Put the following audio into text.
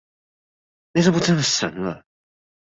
內政部真的神了